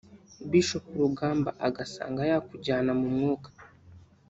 Bishop Rugamba agasanga yakujyana mu mwuka